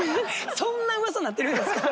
そんなうわさなってるんですか？